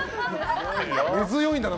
根強いんだな